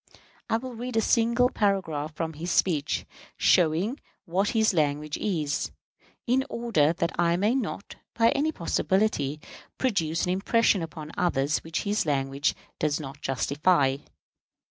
I will read a single paragraph from his speech, showing what his language is, in order that I may not, by any possibility, produce an impression upon others which his language does not justify.